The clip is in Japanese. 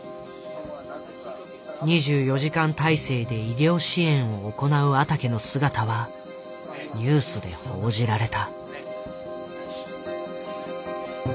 ２４時間態勢で医療支援を行う阿竹の姿はニュースで報じられた。